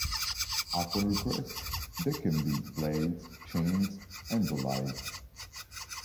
Upon request, they can be blades, chains, and the like.